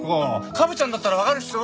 かぶちゃんだったらわかるでしょ？